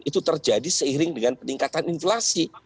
itu terjadi seiring dengan peningkatan inflasi